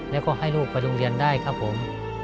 แล้วก็ให้ลูกไปโรงเรียนได้ครับผม